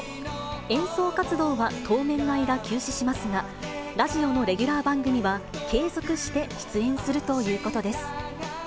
演奏活動は当面の間休止しますが、ラジオのレギュラー番組は継続して出演するということです。